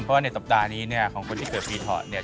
เพราะว่าในสัปดาห์นี้เนี่ยของคนที่เกิดปีเถาดเนี่ย